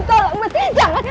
tolong mesti jangan